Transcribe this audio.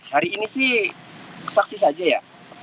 hari ini sih saksi saja ya